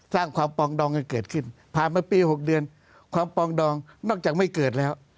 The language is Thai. สร้างความปองดองกันเกิดขึ้นผ่านมาปี๖เดือนความปองดองนอกจากไม่เกิดแล้ว